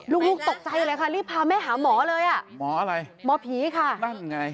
ลูกลูกตกใจเลยค่ะรีบพาแม่หาหมอเลยอ่ะหมออะไรหมอผีค่ะนั่นไง